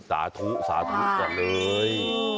สาธุก่อนเลย